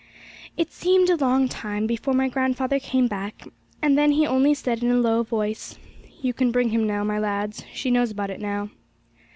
It seemed a long time before my grandfather came back, and then he only said in a low voice, 'You can bring him now, my lads; she knows about it now.'